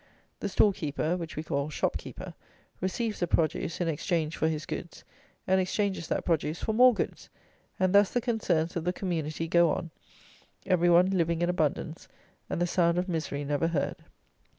The store keeper (which we call shop keeper) receives the produce in exchange for his goods, and exchanges that produce for more goods; and thus the concerns of the community go on, every one living in abundance, and the sound of misery never heard.